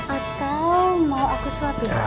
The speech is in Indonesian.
atau mau aku suapin